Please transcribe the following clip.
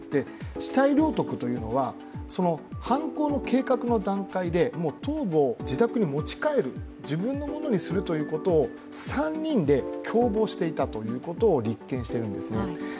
死体領得というのは犯行の計画の段階で、頭部を自宅に持ち帰る、自分のものにするということを３人で共謀していたということを立件しているんですね。